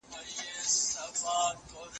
دري بې کتابونو نه ده.